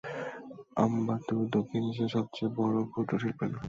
আম্বাত্তুর দক্ষিণ এশিয়ার সবচেয়ে বড়, ক্ষুদ্র শিল্পের এলাকা।